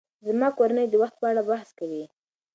زما کورنۍ د وخت په اړه بحث کوي.